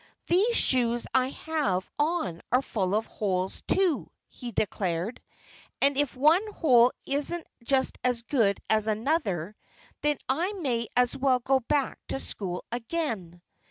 "These shoes I have on are full of holes, too," he declared. "And if one hole isn't just as good as another, then I may as well go back to school again."